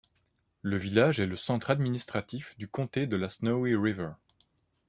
Le village est le centre administratif du comté de la Snowy River.